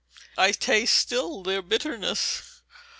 I taste still their bitterness!